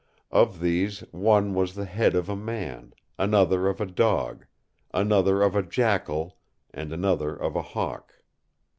Of these one was the head of a man, another of a dog, another of a jackal, and another of a hawk.